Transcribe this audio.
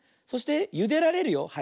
そしてゆでられるよ。